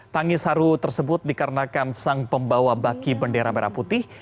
tangis haru tersebut dikarenakan sang pembawa baki bendera merah putih